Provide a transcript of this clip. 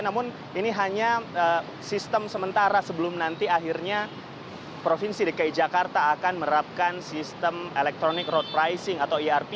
namun ini hanya sistem sementara sebelum nanti akhirnya provinsi dki jakarta akan menerapkan sistem electronic road pricing atau erp